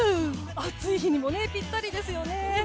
暑い日にもぴったりですよね。